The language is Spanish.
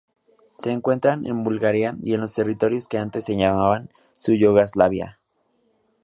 Se encuentra en Bulgaria y en los territorios que antes se llamaban Yugoslavia.